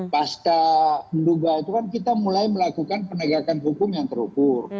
pasta menduga itu kan kita mulai melakukan penegakan hukum yang terukur